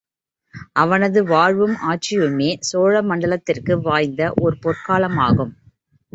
அவனது வாழ்வும் ஆட்சியுமே சோழமண்டலத்திற்கு வாய்த்த ஒரு பொற்காலமாகும்.